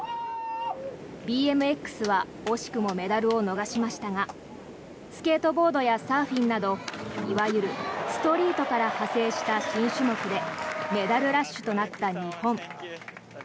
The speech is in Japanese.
ＢＭＸは惜しくもメダルを逃しましたがスケートボードやサーフィンなどいわゆるストリートから派生した新種目でメダルラッシュとなった日本。